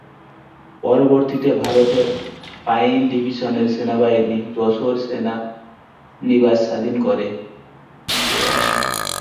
পরবর্তীতে ভারতের পাইন ডিভিশনের সেনাবাহিনী যশোর সেনানিবাস স্বাধীন করে।